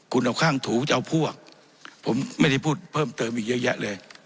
คุณเอาข้างถูจะเอาพวกผมไม่ได้พูดเพิ่มเติมอีกเยอะแยะเลย